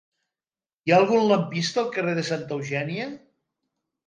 Hi ha algun lampista al carrer de Santa Eugènia?